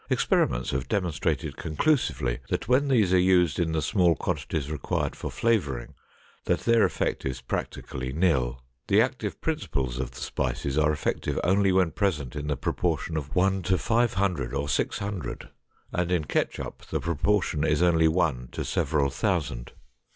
Experiments have demonstrated conclusively that when these are used in the small quantities required for flavoring, that their effect is practically nil. The active principles of the spices are effective only when present in the proportion of 1 to 500 or 600 and in ketchup the proportion is only 1 to several thousand.